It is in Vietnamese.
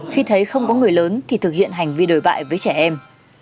khi thấy không có người lớn thì thực hiện hành vi đổi bại với trẻ em